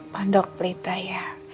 pendok pelita ya